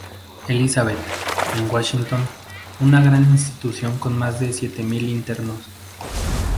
Elizabeth, en Washington, una gran institución con más de siete mil internos.